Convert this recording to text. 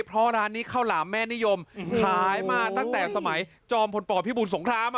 เพราะร้านนี้ข้าวหลามแม่นิยมขายมาตั้งแต่สมัยจอมพลปพิบูรสงคราม